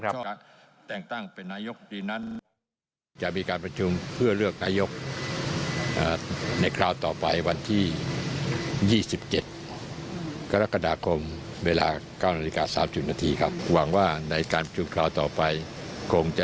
แต่ว่าประชาชนทั่วไปก็อยากให้มันเสร็จสิ้น